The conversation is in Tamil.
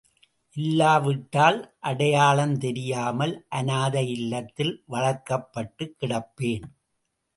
இல்லாவிட்டால் அடையாளம் தெரியாமல் அநாதை இல்லத்தில் வளர்க்கப்பட்டுக் கிடப்பேன்.